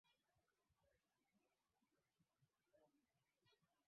Alifanya nyimbo nyingi zilizoteka hisia za watu wengi